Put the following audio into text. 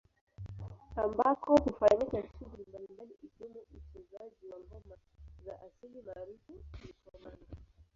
Ambako hufanyika shughuli mbalimbali ikiwemo uchezaji wa ngoma za asili maarufu Likomanga